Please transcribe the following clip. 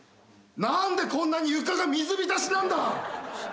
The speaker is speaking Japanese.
何でこんなに床が水浸しなんだ！？